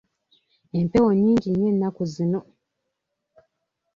Empewo nnyingi nnyo ennaku zino.